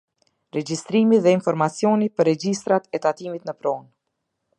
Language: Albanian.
Regjistrimi dhe informacioni për regjistrat e tatimit në pronë.